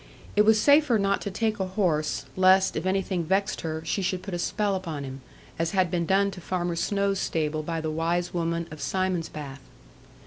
It was safer not to take a horse, lest (if anything vexed her) she should put a spell upon him; as had been done to Farmer Snowe's stable by the wise woman of Simonsbath.